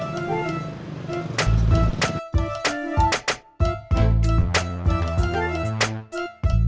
sampai jumpa lagi